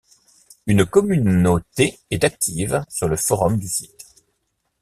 Une communauté est active sur le forum du site.